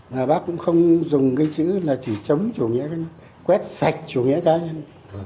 mà bác cũng không dùng cái chữ là chỉ chống chủ nghĩa cá nhân quét sạch chủ nghĩa cá nhân